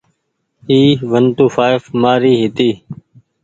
اي ونٽوڦآئڦ مآري هيتي ۔